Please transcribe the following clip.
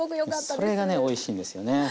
それがねおいしいんですよね。